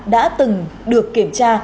đã từng được kiểm tra